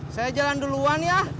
saya jalan duluan ya